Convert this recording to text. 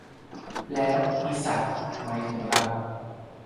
แล้ว 'อีสัตว์' หมายถึงเรา